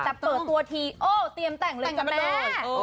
แต่เปิดตัวทีโอ้เตรียมแต่งเลยแต่งกับแม่